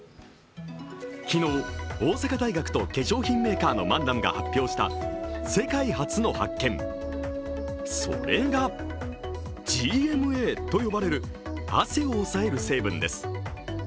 昨日、大阪大学と化粧品メーカーのマンダムが発表した世界初の発見、それがＧＭＡと呼ばれる汗を抑える成分です。